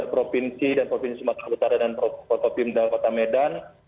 provinsi dan provinsi sumatera putara dan kota medan